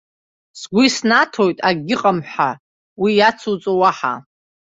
Сгәы иснаҭоит акгьы ыҟам ҳәа уи иацуҵо уаҳа.